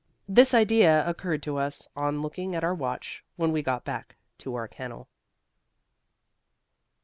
This idea occurred to us on looking at our watch when we got back to our kennel.